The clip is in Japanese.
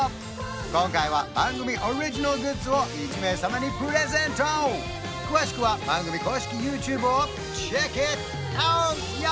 今回は番組オリジナルグッズを１名様にプレゼント詳しくは番組公式ＹｏｕＴｕｂｅをｃｈｅｃｋｉｔｏｕｔよ！